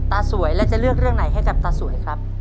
ตาสวยแล้วจะเลือกเรื่องไหนให้กับตาสวยครับ